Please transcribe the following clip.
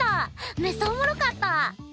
めっさおもろかった！